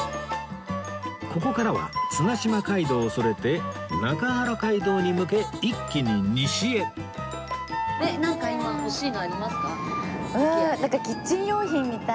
ここからは綱島街道をそれて中原街道に向け一気に西へなんかキッチン用品見たい。